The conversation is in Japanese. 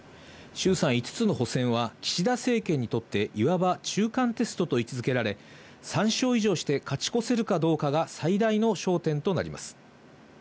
衆参５つの補選は岸田政権にとっていわば中間テストと位置付けられ、３勝以上して勝ち越せるかどうかが最大の焦点となります。